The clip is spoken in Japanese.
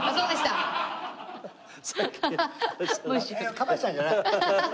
かまやつさんじゃない？